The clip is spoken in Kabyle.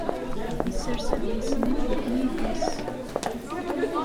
Yessers adlis-nni deg yidis.